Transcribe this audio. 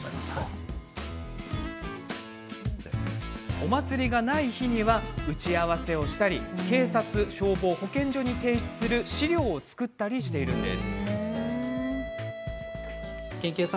お祭りがない日には打ち合わせをしたり警察、消防、保健所に提出する資料を作ったりしています。